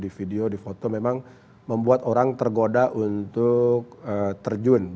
di video di foto memang membuat orang tergoda untuk terjun